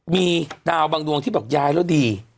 มีดาวบางดวงที่บอกย้ายแล้วดี